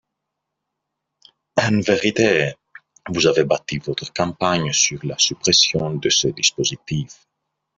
En vérité, vous avez bâti votre campagne sur la suppression de ce dispositif.